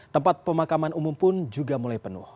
tempat pemakaman umum pun juga mulai penuh